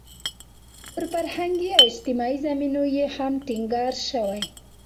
پر فرهنګي او اجتماعي زمینو یې هم ټینګار شوی.